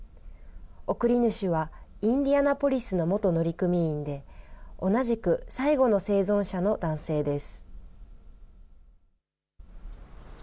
送り主はインディアナポリスの元乗組員で、同じく最後の生存者の男性です。